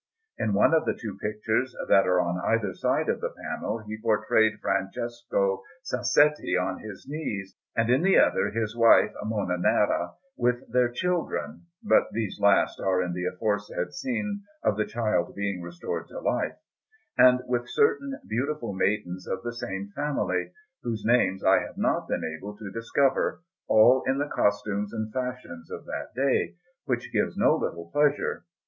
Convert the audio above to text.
In one of two pictures that are on either side of the panel he portrayed Francesco Sassetti on his knees, and in the other his wife, Monna Nera, with their children (but these last are in the aforesaid scene of the child being restored to life), and with certain beautiful maidens of the same family, whose names I have not been able to discover, all in the costumes and fashions of that age, which gives no little pleasure.